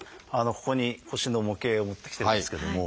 ここに腰の模型を持ってきてますけども。